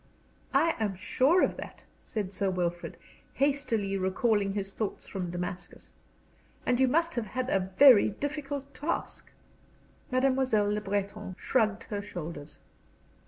"I am sure of that," said Sir Wilfrid, hastily recalling his thoughts from Damascus. "And you must have had a very difficult task." Mademoiselle Le Breton shrugged her shoulders.